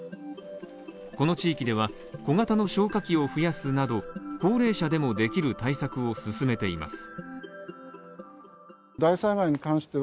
この地域では小型の消火器を増やすなど、高齢者でもできる対策を進めています。